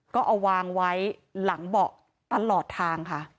ก็เอาวางไว้หลังเบาะตลอดทางค่ะ